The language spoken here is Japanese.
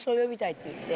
って言って。